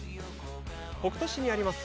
北杜市にあります